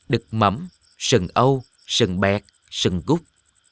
đực mắm sừng âu sừng bẹt sừng cút